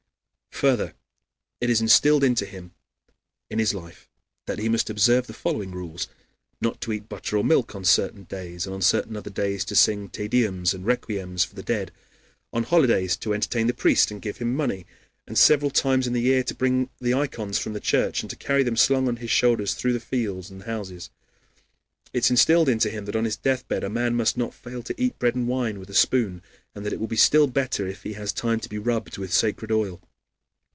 Further it is instilled into him in his life that he must observe the following rules: not to eat butter or milk on certain days, and on certain other days to sing Te Deums and requiems for the dead, on holidays to entertain the priest and give him money, and several times in the year to bring the ikons from the church, and to carry them slung on his shoulders through the fields and houses. It is instilled into him that on his death bed a man must not fail to eat bread and wine with a spoon, and that it will be still better if he has time to be rubbed with sacred oil.